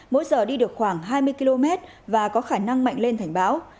mỗi giờ đi được khoảng hai mươi km và có khả năng mạnh lên thành bão